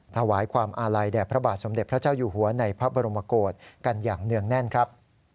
ถวายความอาลัยแด่พระบาทสมเด็จพระเจ้าอยู่หัวในพระบรมโกศกันอย่างเนื่องแน่นครับ